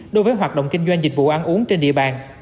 đối với hoạt động kinh doanh dịch vụ ăn uống trên địa bàn